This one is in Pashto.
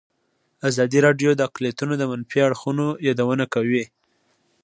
ازادي راډیو د اقلیتونه د منفي اړخونو یادونه کړې.